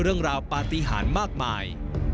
เรื่องราวบาติหารมากมาย